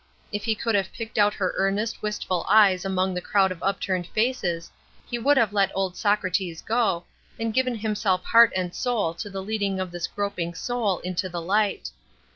If he could have picked out her earnest, wistful eyes among that crowd of upturned faces he would have let old Socrates go, and given himself heart and soul to the leading of this groping soul into the light.